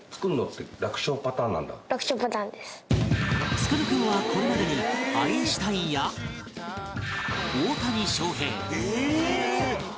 創君はこれまでにアインシュタインや大谷翔平「えーっ！」